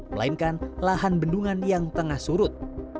melainkan lahan bendungan yang tengah surut